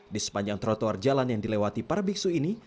di sepanjang trotoar jalan yang dilewati para biksu ini